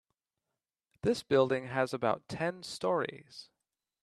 This building has about ten storeys.